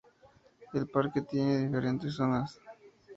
El parque tiene diferentes zonas.